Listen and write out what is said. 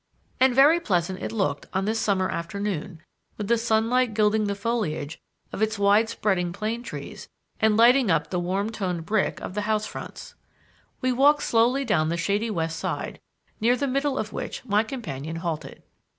And very pleasant it looked on this summer afternoon with the sunlight gilding the foliage of its widespreading plane trees and lighting up the warm toned brick of the house fronts. We walked slowly down the shady west side, near the middle of which my companion halted.